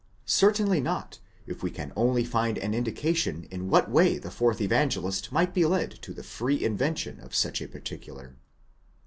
Certainly not, if we can only find an indication in what way the fourth Evangelist might be led to the free invention of such a particular.